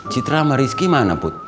citra sama rizky mana put